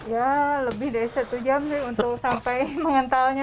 ya lebih dari satu jam sih untuk sampai mengentalnya